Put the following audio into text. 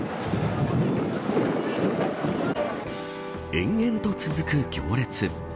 延々と続く行列。